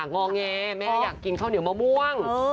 งอแงแม่อยากกินข้าวเหนียวมะม่วง